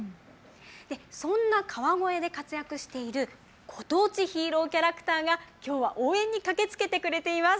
そんな川越で活躍しているご当地ヒーローキャラクターがきょうは応援に駆けつけてくれています。